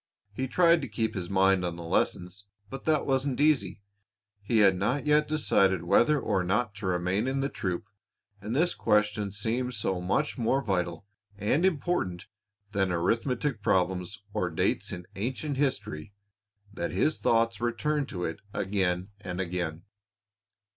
He tried to keep his mind on the lessons, but that wasn't easy. He had not yet decided whether or not to remain in the troop, and this question seemed so much more vital and important than arithmetic problems or dates in ancient history that his thoughts returned to it again and again.